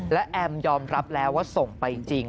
และแอมยอมรับแล้วว่าส่งไปจริง